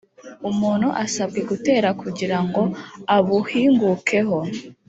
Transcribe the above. umuntu asabwa gutera, kugira ngoabuhingukeho